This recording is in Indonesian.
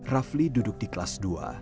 rafli duduk di kelas dua